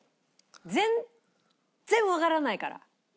全然わからないから。